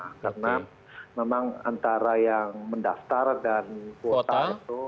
karena memang antara yang mendaftar dan kuota itu